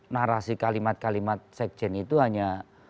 narasi kalimat kalimat sekjen itu hanya